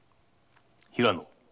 平野。